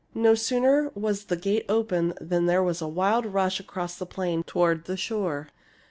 No sooner was the gate opened than there was a wild rush across the plain toward the shore.